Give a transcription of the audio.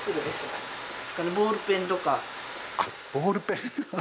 あっボールペン。